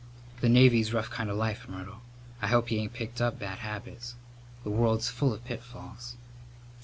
"The Navy's rough kind of life, Myrtle. I hope he ain't picked up bad habits. The world's full of pitfalls."